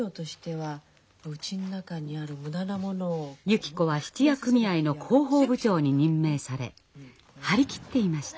ゆき子は質屋組合の広報部長に任命され張り切っていました。